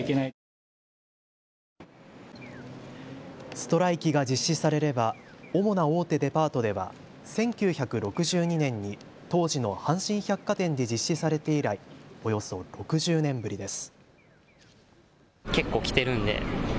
ストライキが実施されれば主な大手デパートでは１９６２年に当時の阪神百貨店で実施されて以来およそ６０年ぶりです。